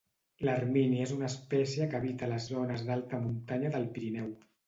L'ermini és una espècie que habita les zones d'alta muntanya del Pirineu.